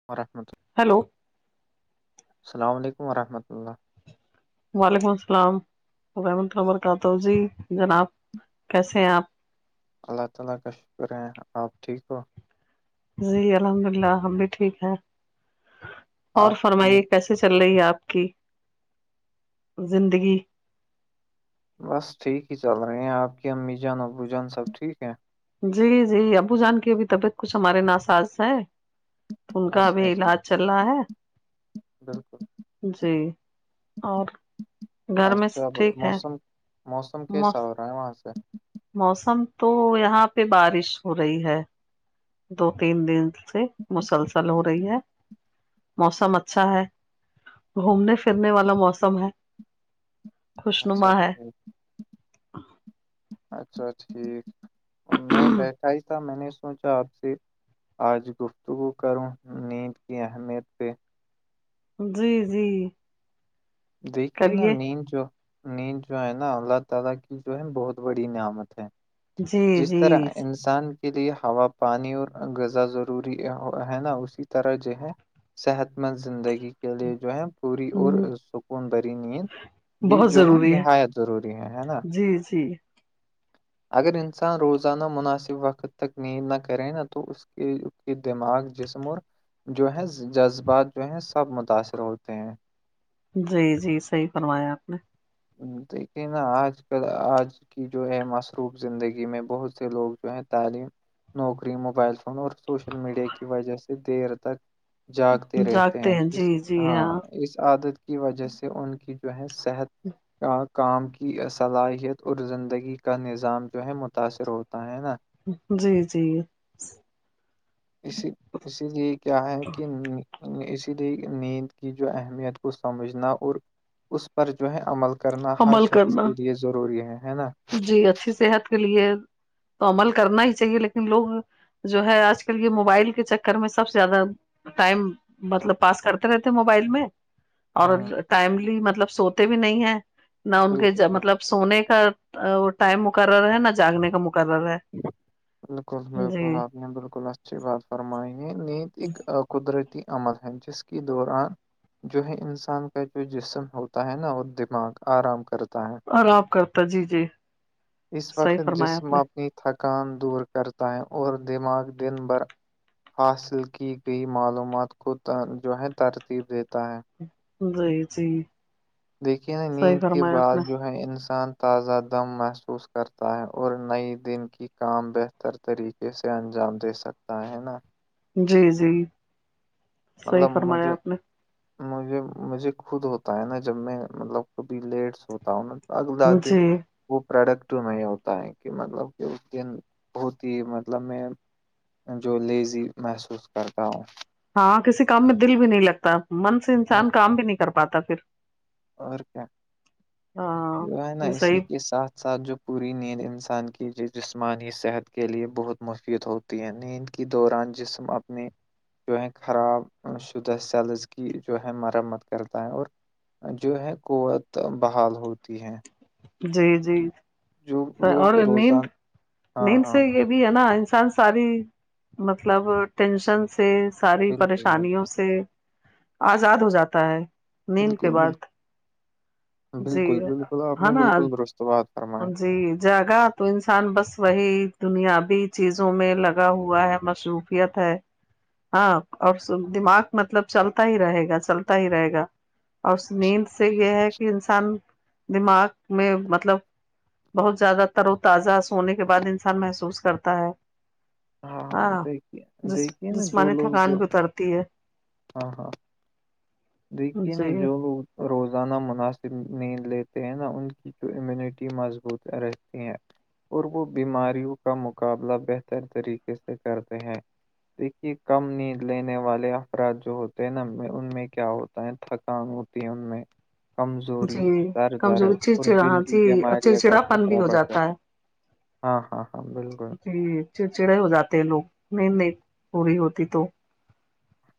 [unintelligible] hello السلام علیکم وعلیکم السلام کیسے ہیں اپ اللہ تعالی کا شکر ہے اپ ٹھیک جی الحمد اللہ ہم بھی ٹھیک ہے اور آپ جی فرمائیے کیسے چل رہی ہے اپ کی زندگی بس ٹھیک ہی چل رہے ہیں اپ کی امی جان ابو جان سب ٹھیک ہیں جی جی ابو جان کی ابھی طبیعت کچھ ہمارے ناساز ہے ان کا بھی اچھا اچھا بات [unintelligible] جی اور گھر میں اچھا سب ٹھیک ہے موسم موسم کیسا ہو موسم تو یہاں پہ بارش ہو رہی ہے سے مسلسل ہو رہی ہے موسم اچھا ہے گھومنے پھرنے والا موسم ہے خوش اچھا نما ہے ٹھ اچھا ٹھیک اور میں بیٹھا ہی ایسا میں نے سوچا آپ سے آج گفتگو کروں نیند کی اہمیت پہ جی جی دیکے نا کریے نیین چو نیند جو ہے نا اللہ تعالی کی جو ہے بہت بڑی نعمت ہے جی جس جی طرح انسان کے لیے ہوا پانی اور غزا ضروری ہے نا اسی طرح جو ہے صحت مند زندگی کے لئے جو ہے پوری اور ہ سکون بری نیند بھی بہت جو ہے ضروری نہایت ضروری ہے ہے نا جی جی اگر انسان روزانہ مناسب وقت تک نیند نہ کرے نہا تو اس کے کی دماغ جسم اور جو ہے جذبات جو ہیں سب متاثر ہوتے ہیں جی جی صحیح فرمایا آپ نے دیکھیے نا آج کل آج کی جو ہے مصروف زندگی میں بہت سے لوگ جو ہے تعلیم نوکری موبائل فون اور سوشل میڈیا کی وجہ سے دیر تک جاگتے نے رہتے جاگتے ہیں اس جی جی ہاں اس عادت کی وجہ سے ان کی جو ہے صحت کا کام کی صلاحیت اور زندگی کا نظام جو ہے متاثر ہوتا ہے نا جی جی اسی اسی لیے کیا ہے کہ اسی لیے نیند کی جو اہمیت کو سمجھنا اور اس پر جو ہے عمل کرنا ہر عمل شخص کرنا کے لیے ضروری ہے ہے نا جی اچھی صحت کے لیے تو عمل کرنا ہی چاہیے لیکن لوگ جو ہے آج کل یہ موبائل کے چکر میں سب سے زیادہ ٹائم مطلب پاس کرتے رہتے موبائل میں اور ہاں ٹائملی مطلب سوتے بھی نہیں ہیں نہ ان بالکل کے مطلب سونے کا ٹائم مقرر ہے نہ جاگنے کا مقرر ہے بالکل بالکل آپ جی نے بالکل اچھی بات فرمائی ہے نیت ایک قدرتی عمل ہیں جس کے دوران جو ہے انسان کا جو جسم ہوتا ہے نا وہ دماغ آرام کرتا ہے آراب کرتا جی جی اس صحیح وقت فرمایا آپ جسم نے اپنی تھکان دور کرتا ہے اور دماغ دن بھر حاصل کی گئی معلومات کو جو ہے ترتیب دیتا ہے جی جی دیکھیے نا صحیح نیند کے فرمایا آپ بعد نے جو ہے انسان تازہ دم محسوس کرتا ہے اور نئی دن کی کام بہتر طریقے اسے انجام دے سکتا ہے نا جی جی صحیح مطلب فرمایا مجھے آپ نے مجھے مجھے خود ہوتا ہے نا جب میں مطلب کبھی لیٹس ہوتا ہوں نا اگددن جی وہ پروڈکٹ میں ہوتا ہے کہ مطلب کہ اس کی بہت ہی مطلب میں جو لیزی محسوس کرتا ہوں ہاں کسی کام میں دل بھی نہیں لگتا من سے اور انسان کیا کام بھی نہیں کر پاتا پھر اور کیا ہاں جو ہے نا یہ اسی صحیح کے ساتھ ساتھ جو پوری نیند انسان کی جسمانیانی صحت کے لیے بہت مفید ہوتی ہے نیند کے دوران جسم اپنے جو ہے خراب شدہ سیلز کی جو ہے مرمت کرتا ہے اور جو ہے قوت بحال ہوتی ہے جی جی جو لوگ اور نیند روزانہ ہاں نیند ہاں سے یہ بھی ہے نا انسان ساری مطلب ٹینشن سے ساری بالکل پریشانیوں بالکل سے آزاد ہو جاتا ہے نیند کے بالکل بعد بالکل جی بالکل بالکل آپ ہ نے نا بالکل درست بات فرمائی جی جاگا تو انسان بس وہی دنیابی چیزوں میں لگا ہوا ہے مشر خفیت ہے ہاں اور دماغ مطلب چلتا ہی رہے گا چلتا ہی رہے گا اور اس نیند سے یہ ہے کہ انسان دماغ میں مطلب بہت زیادہ تر و تازہ سونے کے بعد انسان محسوس کرتا ہاں دیکھیے ج دیکھیے نا جو جسمانی لوگ تھکان جو بھی اترتی ہے ہاں ہاں دیکھیے ن جی جوولو روزانہ مناسب نیند لیتے ہیں نہ ان کی جو امیونٹی مضبوط رہتی ہیں اور وہ بیماریوں کا مقابلہ بہتر طریقے سے کرتے ہیں دیکھیے کم نیند لینے والے افراد جو ہوتے ہیں نا ان میں کیا ہوتا ہے تھکان ہوتی ہے ان میں کمزوری جی در کمزوری درد اور چڑچڑا دل کی جی بیمارییاوں کا چڑچڑا پن بھی خطرہ ہو بڑھتا جاتا ہے ہاں ہاں ہاں بالکل جی چڑچڑے ہو جاتے ہیں لوگ نیند نہیں پوری ہوتی تو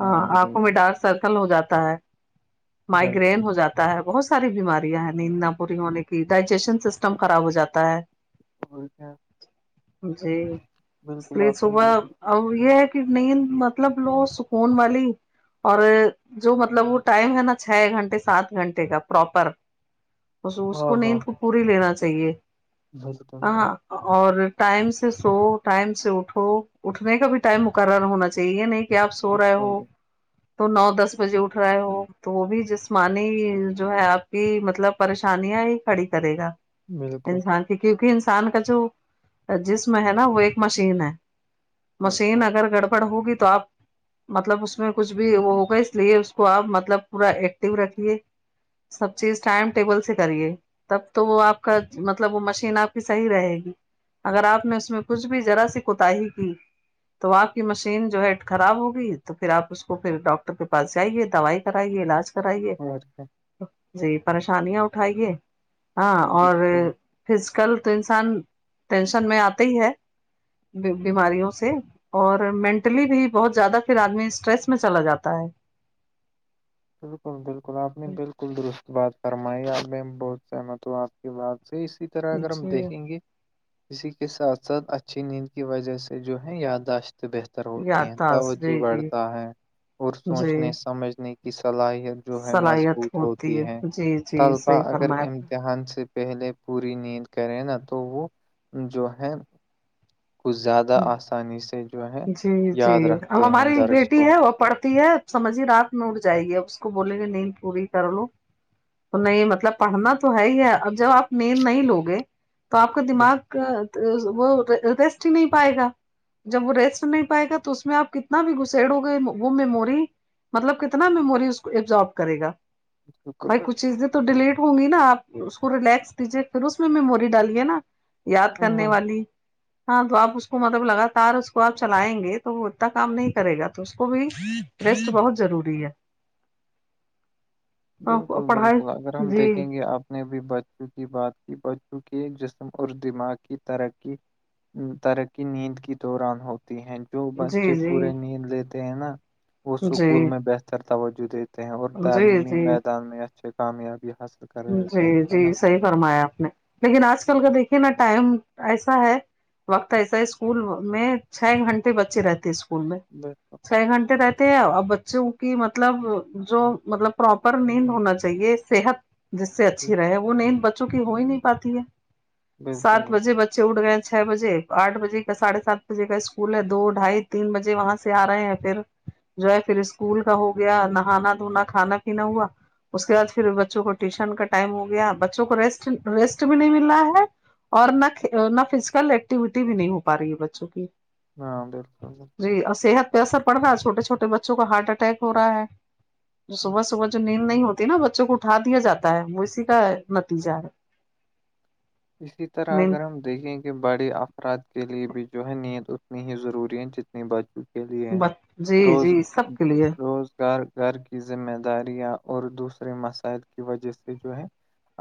ہاں آنکھوں میں ڈارک سرکل ہو جاتا ہے بالکل مائگرین ہو جاتا بہت ساری بیماریاں ہیں نیند نہ پوری ہونے کی ڈائجیشن سسٹم خراب ہو جاتا ہے اور کیا جی اس بالکل لیے آپ نے صبح بھی ا یہ ہے کہ نہیں مطلب لو سکون والی اور جو مطلب وہ ٹائم ہے نا چھ گھنٹے سات گھنٹے کا پراپر اس ہاں کو ہاں نیند کو پوری لینا چاہیے ہ بالکل ہاں اور ٹائم سے سو ٹائم سے اٹھو اٹھنے کا بھی ٹائم مقرر ہونا چاہیے یہ نہیں کہ آپ سو سو رہ بالکل تو نو دس بجے اٹھ رہا ہے ہو تو وہ بھی جسمانی جو ہے آپ کی مطلب پریشانیاں ہی کھڑی کرے گا بالکل انسان کہ کیونکہ انسان کا جو جسم ہے نا وہ ایک مشین ہے مشین بالکل اگر گڑبڑ ہوگی تو آپ مطلب اس میں کچھ بھی وہ ہوگا اس لیے اس کو آپ مطلب پورا ایکٹو رھیے سب چیز ٹائم ٹیبل سے کریے تب تو وہ آپ کا مطلب وہ مشین آپ کی صحیح رہے گی اگر آپ نے اس میں کچھ بھی ذرا سی کوتای کی تو آپ کی مشین جو ہے خراب ہوگی تو پھر آپ اس کو پھر ڈاکٹر کے پاس جائیے دوائی کرائیے علاج کرائیے اور کیا جی پریشانیاں اٹھائیے ہاں اور بالکل فزیکل تو انسان ٹینشن میں آتا ہی ہے بیماریوں سے اور مینٹلی بھی بہت زیادہ پھر آدمی اسٹریس میں چلا جاتا ہے بالکل بالکل آپ نے بالکل درست بات فرمائی آپ میں بہت سہمت ہوں آپ کی بات سے اسی طرح اگر ہم جی دیکھیں گے اسی کے ساتھ ساتھ اچھی نیند کی وجہ سے جو ہے یاداشت بہتر ہوتی ہیں یادداشت توجہ جی جی بڑتا ہے اور سوچنے جی سمجھنے کی کی صلاحیت جو ہے صلاحیت مضبوط ہوتی ہے جی جی طلبا صحیح اگر فرمایا آپ امتحان سے پہلے پوری نیند کرے نا تو وہ جو ہے کچھ زیادہ آسانی سے جو ہے جی جی یاد اب رکھتے ہیں ہماری درس بیٹی کو ہے وہ پڑھتی ہے سمجھیے رات میں اڑ جائے گی ا اس کو بولیں گے نہیں پوری کر لو تو نہیں مطلب پڑھنا تو ہے ہی ہے اب جب آپ نین نہیں لوگے تو آپ کا دماغ کا وہ ریسٹ ہی نہیں پائے گا جب وہ ریسٹ نہیں پائے گا تو اس میں آپ کتنا بھی گسڑو گے وہ مموری مطلب کتنا میموری اس کو ایبزارب کرے گا بالکل بھائی کچھ چیزیں تو ڈیلیٹ ہوں گی نا آپ اس کو ریلیکس دیجیے پھر اس میں میموری ڈالیے نا یاد کرنے بالکل والی ہاں تو آپ اس اس کو مطلب لگاتار اس کو آپ چلائیں گے تو وہ اتنا کام نہیں کرے گا تو اس کو بھی ریسٹ بہت ضروری ہے ہے بالکل پڑھائی بالکل اگر ہم جی دیکھیں گے آپ نے بھی بچوں کی بات کی بچوں کے جسم اور دماغ کی ترقی ترقی نیند کے دوران ہوتی ہے جو جی بچے جی پورے نیند لیتے ہیں نا وہ اسکول جی میں بہتر توجہ دیتے ہیں اور جی تعلیمی جی میدان میں اچھے کامیابی حاصل کر رہتے ہیں جی ہے نا جی صحیح فرمایا آپ نے لیکن آج کل کا دیکھیے نا ٹائم ایسا ہے وقت ایسا ہے اسکول میں چھ گھنٹے بچے رہتے ہیں اسکول میں بکل چھ گھنٹے رہتے ہیں اور بچوں کی مطلب جو مطلب پراپر نیند ہونا چاہیے صحت جس سے اچھی رہے وہ نیند بچوں کی ہو ہی نہیں پاتی ہے سات بالکل بجے ب اٹھ گئے ہیں چھ بجے آھ بجے کا سڑھے سات بجے کا اسکول ہے دو ڈھائی تین بجے وہاں سے سے آ رہے ہیں پھر جو ہے پھر اسکول کا ہو گیا نہانا دھونا کھانا پینا ہوا اس کے بعد پھر بچوں کو ٹیوشن کا ٹائم ہو گیا بچوں کو ریسٹ ریسٹ بھی نہیں مل رہ ہے اور نہ نہ فزیکل ایکٹیویٹی بھی نہیں ہو پا رہی ہے بچوں کی ہاں بالکل بالکل جی اور صحت پہ اثر پڑ رہا ہےھوٹے چھوٹے بچوں کا ہارٹ اٹیک ہو رہا ہے جو صبح صبح جو نیند نہیں ہوتی ہے نا بچوں کو اٹھا دیا جاتا ہے وہ اسی کا نتیجہ ہے اسی طرح اگر نیند ہم دیکھیں کہ بڑے افراد کے لیے بھی جو ہے نیند اتنی ہی ضروری ہے جتنی بچ کے لیے جی روز جی سب کے لیے روز کار گار کی ذمہ داریاں اور دوسرے مسائل کی وجہ سے جو ہے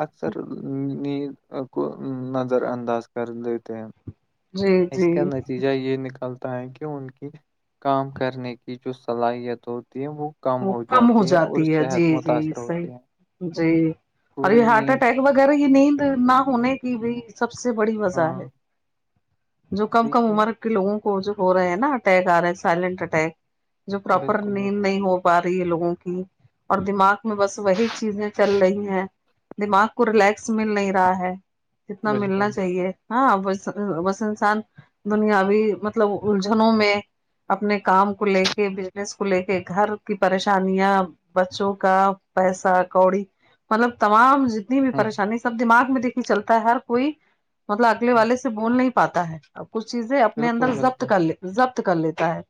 اکثر نیند کو نظر انداز کر دیتے ہیں جی اس جی کا نتیجہ یہ نکلتا تاکہ ان کی کام کرنے کی جو صلاحیت ہوتی ہے وہ وہ کم ہو جاتی اور ہے جی صحت جی متاثر صحی ہوتی ہے جی اور یہ پوری ہارٹ نیند اٹیک وغیرہ یہ نیند نہ ہونے کی بھی سب سے بڑی وجہ ہے ہاں جو کم کم دیکھیے عمر کے لوگوں کو جو ہو رہے ہیں نا اٹیک آ رہے ہیں سائلنٹ اٹیک جو پراپر بالکل نیند نہیں ہو پا رہی ہے لوگوں کی اور دماغ میں بس وہی چیزیں چل رہی ہیں دماغ کو ریلیکس مل نہیں رہا ہے جتنا ملنا بالکل چاہیے ہاں ب بس انسان دنیا بھیی مطلب الجھنوں میں اپنے کام کو لے کے بزنس کو لے کے گھر کی پریشانیاں بچوں کا پیسہ کوڑی مطلب تمام جتنی بھی ہ پریشانی سب دماغ میں دیکھی چلتا ہے ہر کوئی مطلب اگلے والے سے بول نہیں پاتا ہے ا کچھ چیزیں اپنے بالکل اندر جضبت بالکل کر لے جضبط کر لیتا ہے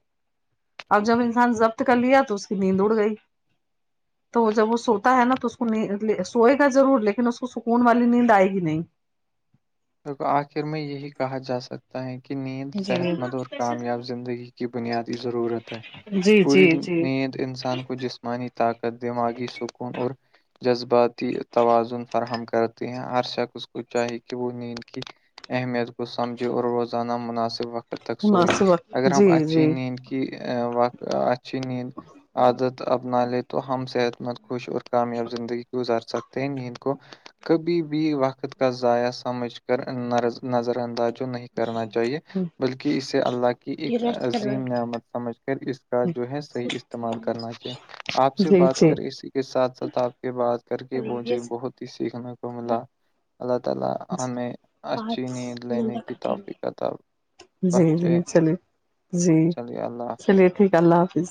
اب جب انسان جضبط کر لیا تو اس کی نیند اڑ گئی [inaudible] تو جب وہ سوتا ہے نا تو اس کو سوئے گا ضرور لیکن اس کو سکون والی نیند آئے گی نہیں آخر میں یہی کہا جا سکتا ہے کہ نیند صحت مند جی اور کامیاب زندگی کی بنیادی ضرورت ہے جی جی پوری جی نیند انسان کو جسم انی طاقت دماغی سکون اور جذباتی توازن فراہم کرتے ہیں ہر شخ اس کو چاہی کہ وہ نیند کی اہمیت کو سمجھے اور روزانہ مناسب وقت تک سو مناسب وقت اگر ہم جی اچھی جی نیند کی وقت اچھی نیند عادت اپنا لے تو ہم صحت مند خوش اور کامیاب زندگی گزار سکتے ہیں نیند کو کبھی بھی وقت کا ضائع سمجھ کر نظر انداز نہیں کرنا چاہیے بلکہ اسے اللہ کی ایک عظیم نعمت سمجھ کر اس کا جو ہے صحیح استعمال کرنا چاہیے آپ سے جی بات جی کریں اسی کے ساتھ ساتھ آپ کے بات کر کے مجھے بہت ہی سیکھنے کو ملا اللہ تعالی ہمیں اچھی نیند لینے کی توفیق تھا جی جی چلیے جی چلیے اللہ حافظ چلیے ٹھیک ہے اللہ حافظ